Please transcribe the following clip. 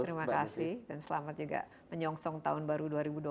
terima kasih dan selamat juga menyongsong tahun baru dua ribu dua puluh